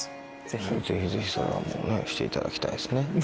ぜひぜひそれはもうしていただきたいですね。